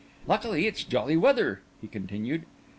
"Luckily, it's jolly weather," he concluded.